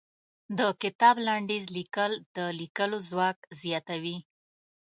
د کتاب لنډيز ليکل د ليکلو ځواک زياتوي.